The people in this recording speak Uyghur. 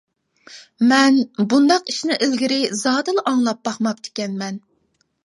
مەن بۇنداق ئىشنى ئىلگىرى زادىلا ئاڭلاپ باقماپتىكەنمەن.